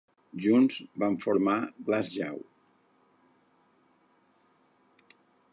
Junts van formar Glassjaw.